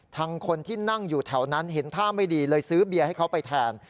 ทั้งคนที่นั่งอยู่แถวนั้นเห็นท่าไม่ดีเลยซื้อเบียร์ให้เขาไปแทน